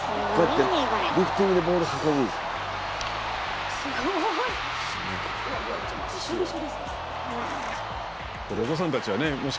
リフティングでボールを運ぶんですね。